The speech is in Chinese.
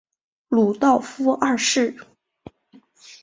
鲁道夫二世。